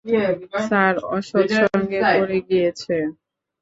Sir, অসৎ সঙ্গে পড়ে গিয়েছে।